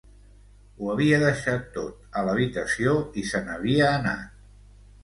Ho havia deixat tot a l'habitació i se n'havia anat.